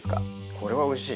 これはおいしい！